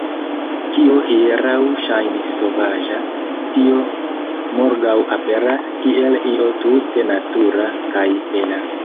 Kio hieraŭ ŝajnis sovaĝa, tio morgaŭ aperas kiel io tute natura kaj bela.